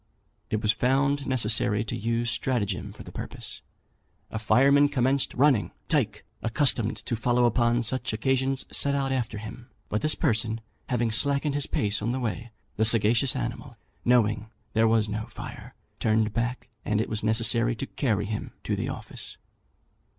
It was found necessary to use stratagem for the purpose. A fireman commenced running. Tyke, accustomed to follow upon such occasions, set out after him; but this person, having slackened his pace on the way, the sagacious animal, knowing there was no fire, turned back, and it was necessary to carry him to the office.